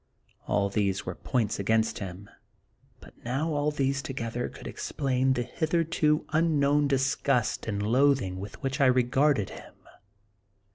All these were points against him; but not all these together could explain the hitherto unknown dis^ gust and loathing with which I regarded him.